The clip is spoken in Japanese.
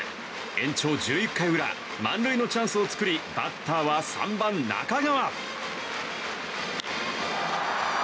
延長１１回裏満塁のチャンスを作りバッターは３番、中川。